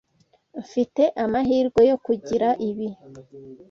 Mfite amahirwe yo kugira ibi.